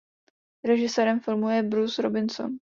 Režisérem filmu je Bruce Robinson.